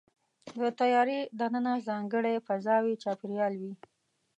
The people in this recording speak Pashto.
د طیارې دننه ځانګړی فضاوي چاپېریال وي.